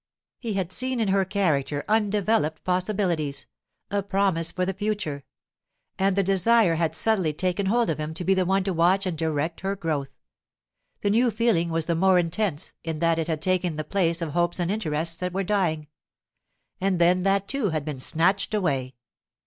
He had seen in her character undeveloped possibilities—a promise for the future—and the desire had subtly taken hold of him to be the one to watch and direct her growth. The new feeling was the more intense, in that it had taken the place of hopes and interests that were dying. And then that, too, had been snatched away.